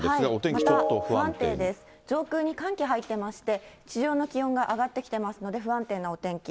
また不安定で、上空に寒気が入ってきてまして、地上の気温が上がってきてますので、不安定なお天気。